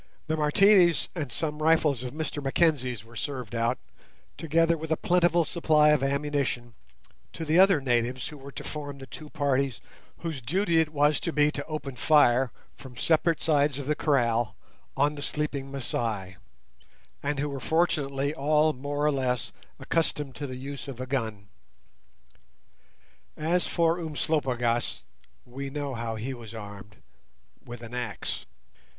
The Martinis and some rifles of Mr Mackenzie's were served out, together with a plentiful supply of ammunition, to the other natives who were to form the two parties whose duty it was to be to open fire from separate sides of the kraal on the sleeping Masai, and who were fortunately all more or less accustomed to the use of a gun. As for Umslopogaas, we know how he was armed—with an axe.